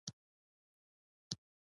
په لایحه کې باید نیټه ذکر شي.